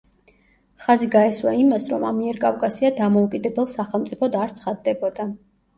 ხაზი გაესვა იმას, რომ ამიერკავკასია დამოუკიდებელ სახელმწიფოდ არ ცხადდებოდა.